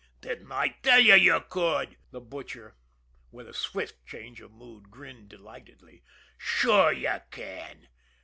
"Didn't I tell you, you could!" The Butcher, with swift change of mood, grinned delightedly. "Sure, you can!